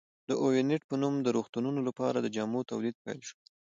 د اوینټ په نوم د روغتونونو لپاره د جامو تولید پیل شو.